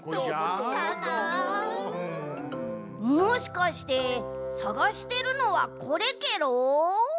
・もしかしてさがしてるのはこれケロ？